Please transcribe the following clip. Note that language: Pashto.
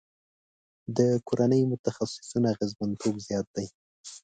د کورني متخصصینو اغیزمنتوب زیات دی.